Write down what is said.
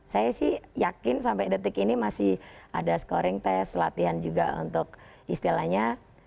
saya sih yakin sampai detik ini masih ada scoring test latihan juga untuk istilahnya